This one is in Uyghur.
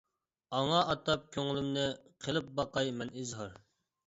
ئاڭا ئاتاپ كۆڭلۈمنى، قىلىپ باقاي مەن ئىزھار.